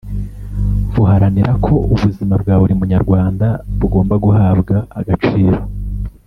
buharanira ko ubuzima bwa buri munyarwanda bugomba guhabwa agaciro